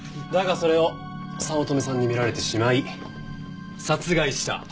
だがそれを早乙女さんに見られてしまい殺害した。